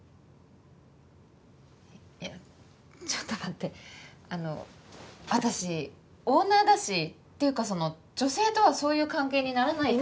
いやちょっと待ってあの私オーナーだしていうかその女性とはそういう関係にならないタイプ。